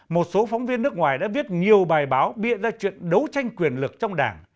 một số phóng viên nước ngoài đã viết nhiều bài báo biện ra chuyện đấu tranh quyền lực trong đảng